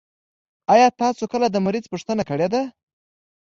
آيا تاسو کله د مريض پوښتنه کړي ده؟